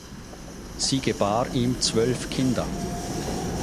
Sie gebar ihm zwölf Kinder.